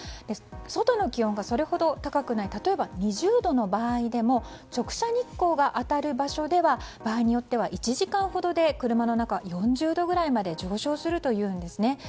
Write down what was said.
外の気温がそれほど高くない例えば２０度の場合でも直射日光が当たる場所では場合によっては１時間ほどで車の中は４０度ほどまで上昇するというんですね。